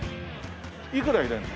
いくら入れるの？